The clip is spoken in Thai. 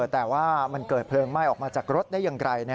แต่ว่ามันเกิดเพลิงไหม้ออกมาจากรถได้อย่างไร